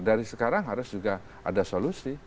dari sekarang harus juga ada solusi